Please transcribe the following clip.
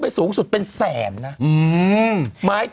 อึกอึกอึกอึก